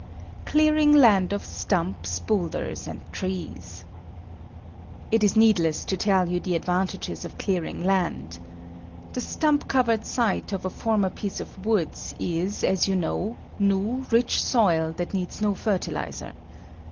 = Clearing Land of Stumps, Boulders and Trees. It is needless to tell you the advantages of clearing land. The stump covered site of a former piece of woods, is, as you know, new, rich soil that needs no fertilizer.